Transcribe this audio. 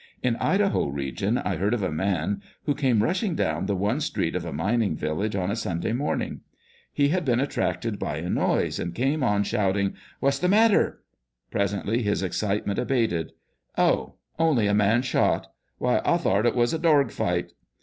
In Idaho region, I heard of a man who came rushing down the one street of a mining village on a Sunday morning. He had been attracted by a noise, and came on shouting, "What's the matter?" Presently his excite ment abated :" Oh ! only a man shot ! Why, I tho'rt it wus a dorg fight